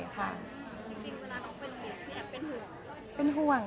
จริงเวลาเขาไปโรงเรียนพี่แอปเป็นห่วง